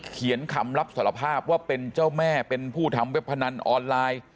เขียนคำรับสารภาพว่าเป็นเจ้าแม่เป็นผู้ทำเว็บพนันออนไลน์